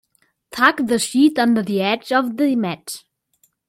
Tuck the sheet under the edge of the mat.